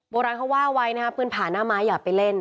โบราณเขาว่าไว้นะครับปืนผ่านหน้าไม้อย่าไปเล่น